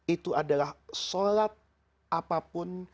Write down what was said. itu adalah sholat apapun